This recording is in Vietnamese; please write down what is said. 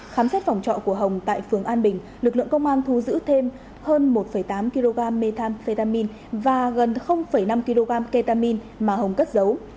khám xét phòng trọ của hồng tại phường an bình lực lượng công an thu giữ thêm hơn một tám kg methamphetamin và gần năm kg ketamin mà hồng cất giấu